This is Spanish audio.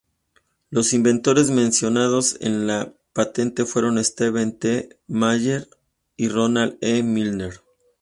Los inventores mencionados en la patente fueron Steven T. Mayer y Ronald E. Milner.